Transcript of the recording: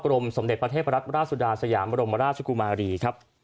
รมสมเด็จพระเทพรัฐราชสุดาสยามบรมราชกุมารีครับ